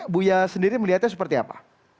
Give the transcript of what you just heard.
buya sendiri melihatnya seperti apa